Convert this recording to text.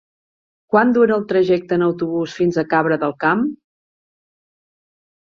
Quant dura el trajecte en autobús fins a Cabra del Camp?